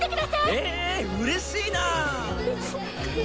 えうれしいなぁ。